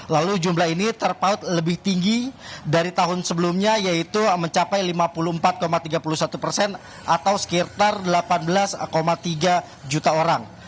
lalu jumlah ini terpaut lebih tinggi dari tahun sebelumnya yaitu mencapai lima puluh empat tiga puluh satu persen atau sekitar delapan belas tiga juta orang